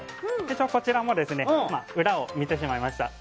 こちらも裏を見てしまいました。